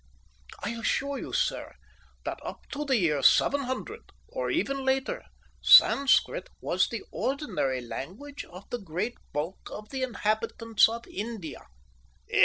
I assure you, sir, that up to the year 700, or even later, Sanscrit was the ordinary language of the great bulk of the inhabitants of India."